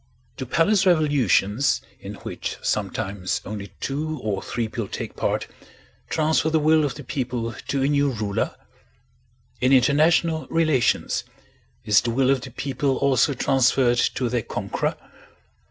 Do palace revolutions—in which sometimes only two or three people take part—transfer the will of the people to a new ruler? In international relations, is the will of the people also transferred to their conqueror?